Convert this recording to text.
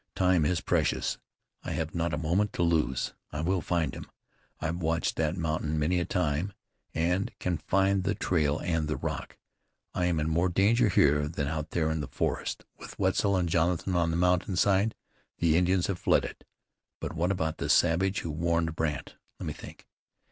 "Time is precious. I have not a moment to lose. I will find him. I've watched that mountain many a time, and can find the trail and the rock. I am in more danger here, than out there in the forest. With Wetzel and Jonathan on the mountain side, the Indians have fled it. But what about the savage who warned Brandt? Let me think.